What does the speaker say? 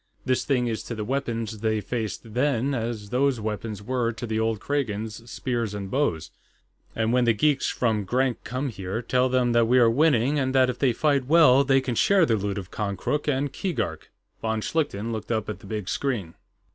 This thing is to the weapons they faced then as those weapons were to the old Kragans' spears and bows.... And when the geeks from Grank come here, tell them that we are winning and that if they fight well, they can share the loot of Konkrook and Keegark." Von Schlichten looked up at the big screen.